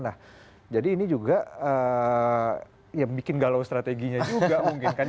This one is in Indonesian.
nah jadi ini juga ya bikin galau strateginya juga mungkin kan